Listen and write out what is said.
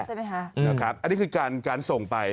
ใช่ไหมฮะอันนี้คือการส่งไป